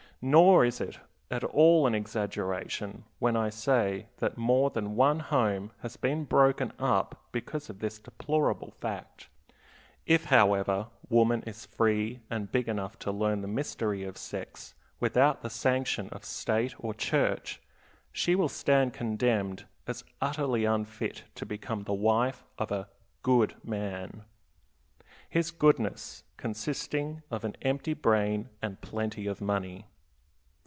Nor is it at all an exaggeration when I say that more than one home has been broken up because of this deplorable fact. If, however, woman is free and big enough to learn the mystery of sex without the sanction of State or Church, she will stand condemned as utterly unfit to become the wife of a "good" man, his goodness consisting of an empty brain and plenty of money.